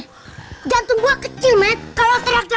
gantung gua kecil